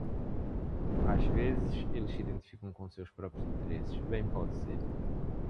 Às vezes eles se identificam com seus próprios interesses, bem pode ser.